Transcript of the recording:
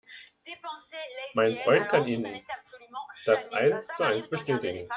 Mein Freund kann Ihnen das eins zu eins bestätigen.